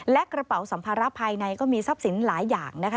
และกระเป๋าสัมภาระภายในก็มีทรัพย์สินหลายอย่างนะคะ